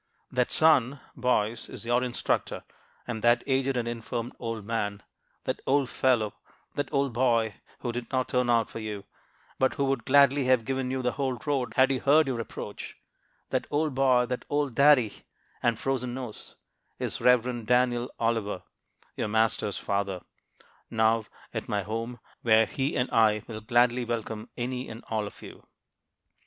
"That son, boys, is your instructor; and that aged and infirm old man, that 'old fellow,' that 'old boy,' who did not turn out for you, but who would gladly have given you the whole road had he heard your approach, that 'old boy,' that 'old daddy,' and 'frozen nose,' is Rev. Daniel Oliver, your master's father, now at my home, where he and I will gladly welcome any and all of you."